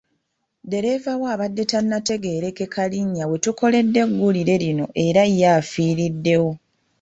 Ddereeva we abadde tannategeerekeka linnya we tukoledde eggulire lino era ye afiiriddewo.